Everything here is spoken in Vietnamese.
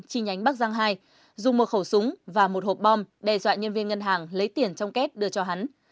chi nhánh bắc giang hai dùng một khẩu súng và một hộp bom đe dọa nhân viên ngân hàng lấy tiền trong kết đưa cho hắn